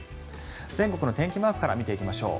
全国の天気マークから見ていきましょう。